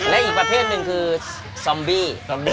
และอีกประเภทหนึ่งคือซอมบี้